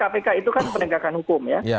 kpk itu kan penegakan hukum ya